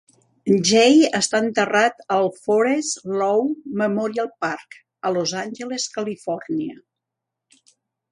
Jay està enterrat al Forest Lawn Memorial Park a Los Angeles, Califòrnia.